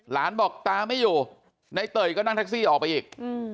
หลานบอกตาไม่อยู่ในเตยก็นั่งแท็กซี่ออกไปอีก